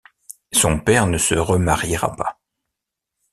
Son père ne se remariera pas.